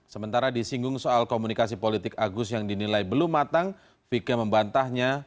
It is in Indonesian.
sementara disinggung soal komunikasi politik agus yang dinilai belum matang vicky membantahnya